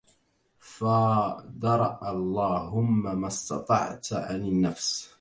فادرأ الهم ما استطعت عن النفس